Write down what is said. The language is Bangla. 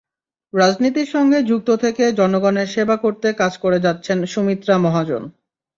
রাজনীতির সঙ্গে যুক্ত থেকে জনগণের সেবা করতে কাজ করে যাচ্ছেন সুমিত্রা মহাজন।